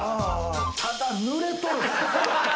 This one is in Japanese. ただ濡れとる。